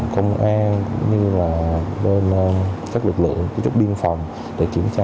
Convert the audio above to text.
công an cũng như là bên các lực lượng các chỗ biên phòng để kiểm tra